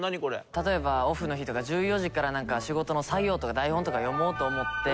例えばオフの日とか１４時から仕事の作業とか台本とか読もうと思って。